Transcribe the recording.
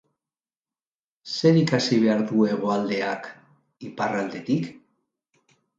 Zer ikasi behar du Hegoaldeak Iparraldetik?